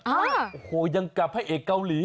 โอ้โฮยังกลับให้เอกเกาหลี